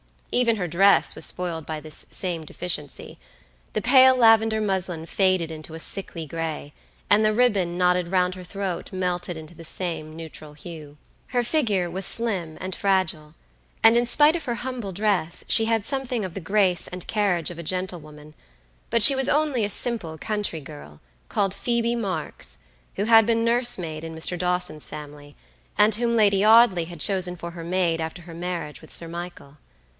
Even her dress was spoiled by this same deficiency. The pale lavender muslin faded into a sickly gray, and the ribbon knotted round her throat melted into the same neutral hue. Her figure was slim and fragile, and in spite of her humble dress, she had something of the grace and carriage of a gentlewoman, but she was only a simple country girl, called Phoebe Marks, who had been nursemaid in Mr. Dawson's family, and whom Lady Audley had chosen for her maid after her marriage with Sir Michael.